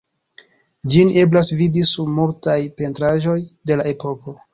Ĝin eblas vidi sur multaj pentraĵoj de la epoko.